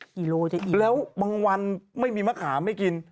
กิโลจะอีกแล้วบางวันไม่มีมะขามให้กิน